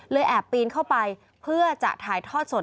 แอบปีนเข้าไปเพื่อจะถ่ายทอดสด